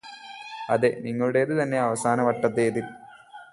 അതെ നിങ്ങളുടേതു തന്നെ അവസാന വട്ടത്തേതില്